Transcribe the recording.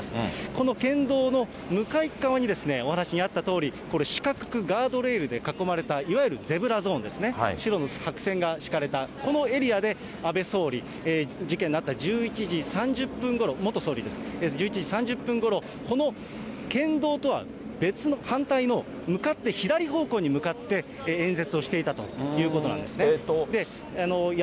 この県道の向かい側にお話にあったとおり、四角くガードレールで囲まれた、いわゆるゼブラゾーンですね、白の白線が敷かれた、このエリアで安倍総理、事件のあった１１時３０分ごろ、元総理です、１１時３０分ごろ、この県道とは別の、反対の、向かって左方向に向かって演説をしていたということなんですね。